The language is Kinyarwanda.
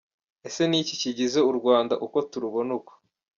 Ese ni iki kigize u Rwanda uko turubona uku?.